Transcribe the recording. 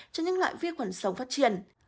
cho những loại vi khuẩn sống phát triển